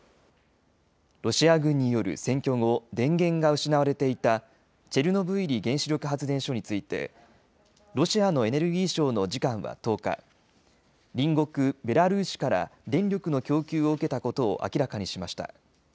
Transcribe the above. ロシア軍による占拠後、電源が失われていたチェルノブイリ原子力発電所について、ロシアのエネルギー省の次官は１０日、隣国ベラルーシから電力の供給を受けたことを明らかにしました。